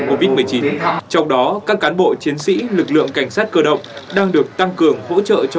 covid một mươi chín trong đó các cán bộ chiến sĩ lực lượng cảnh sát cơ động đang được tăng cường hỗ trợ cho